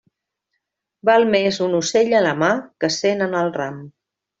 Val més un ocell a la mà que cent en el ram.